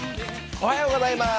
おはようございます